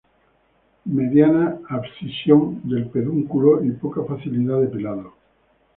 Mediana abscisión del pedúnculo y poca facilidad de pelado.